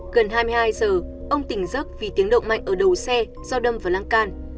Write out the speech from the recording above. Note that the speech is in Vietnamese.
gần hai mươi hai giờ ông tỉnh dốc vì tiếng động mạnh ở đầu xe do đâm vào lăng can